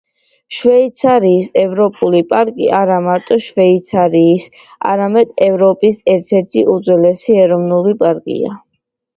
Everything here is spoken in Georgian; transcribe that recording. შვეიცარიის ეროვნული პარკი არა მარტო შვეიცარიის, არამედ ევროპის ერთ-ერთი უძველესი ეროვნული პარკია.